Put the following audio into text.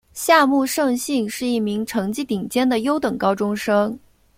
夏木胜幸是一名成绩顶尖的优等高中生。